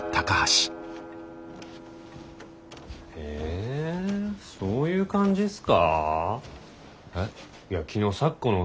えそういう感じっすか？